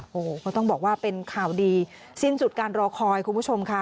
โอ้โหก็ต้องบอกว่าเป็นข่าวดีสิ้นสุดการรอคอยคุณผู้ชมค่ะ